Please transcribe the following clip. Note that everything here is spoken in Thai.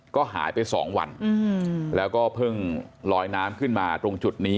ก็หายไป๒วันแล้วก็เพิ่งลอยน้ำขึ้นมาตรงจุดนี้